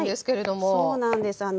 はいそうなんです。